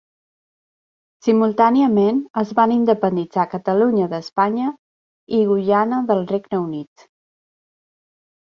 Simultàniament, es van independitzar Catalunya d'Espanya i Guyana del Regne Unit.